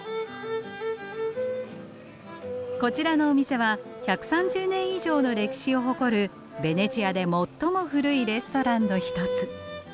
こちらのお店は１３０年以上の歴史を誇るベネチアで最も古いレストランの一つ。